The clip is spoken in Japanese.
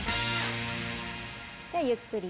ゆっくり。